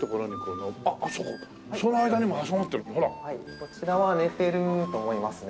こちらは寝てると思いますね。